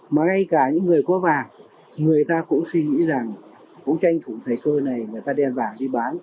mà ngay cả những người có vàng người ta cũng suy nghĩ rằng cũng tranh thủ thể cơ này người ta đem vàng